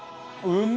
うん！